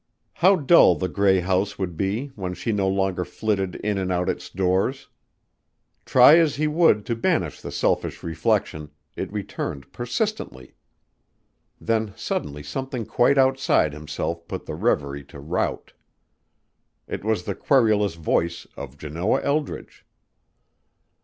How dull the gray house would be when she no longer flitted in and out its doors! Try as he would to banish the selfish reflection, it returned persistently. Then suddenly something quite outside himself put the reverie to rout. It was the querulous voice of Janoah Eldridge.